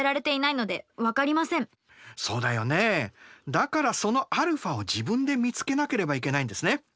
だからそのαを自分で見つけなければいけないんですね。